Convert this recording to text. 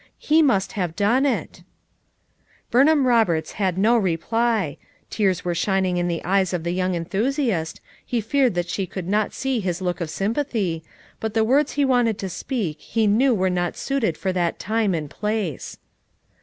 He must have done it" Burnham Roberts had no reply; tears were shining in the eyes of the young enthusiast, he feared that she could not see his look of sym pathy, but the words he wanted to speak he knew were not suited for that time and place.